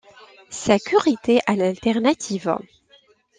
Sa cure était à l'alternative.